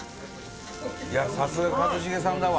さすが一茂さんだわ。